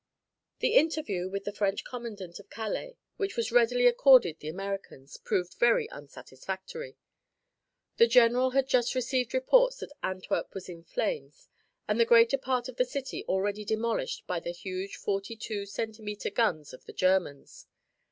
The interview with the French commandant of Calais, which was readily accorded the Americans, proved very unsatisfactory. The general had just received reports that Antwerp was in flames and the greater part of the city already demolished by the huge forty two centimetre guns of the Germans.